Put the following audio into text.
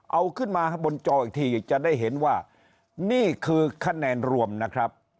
เอาขึ้นมาบนจออีกทีจะได้เห็นว่านี่คือคะแนนรวมนะครับ